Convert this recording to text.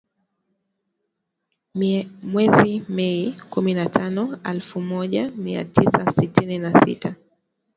Mwezi Mei, kumi na tano ,elfu moja mia tisa sitini na sita